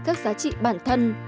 các giá trị bản thân